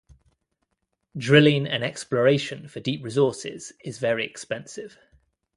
Drilling and exploration for deep resources is very expensive.